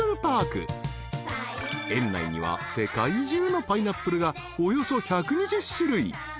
［園内には世界中のパイナップルがおよそ１２０種類］